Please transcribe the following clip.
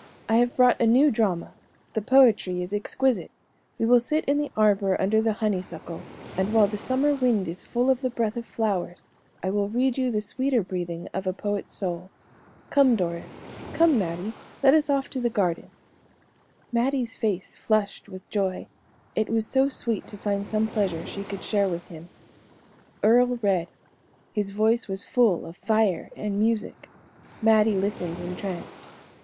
"I have brought a new drama; the poetry is exquisite. We will sit in the arbor under the honeysuckle, and while the summer wind is full of the breath of flowers, I will read you the sweeter breathing of a poet's soul. Come, Doris come, Mattie let us off to the garden." Mattie's face flushed with joy; it was so sweet to find some pleasure she could share with him. Earle read; his voice was full of fire and music. Mattie listened entranced.